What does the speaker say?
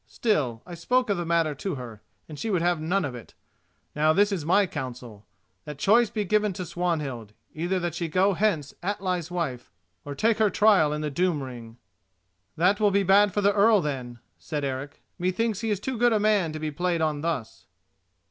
Still, I spoke of the matter to her, and she would have none of it. Now, this is my counsel: that choice be given to Swanhild, either that she go hence Atli's wife, or take her trial in the Doom ring." "That will be bad for the Earl then," said Eric. "Methinks he is too good a man to be played on thus."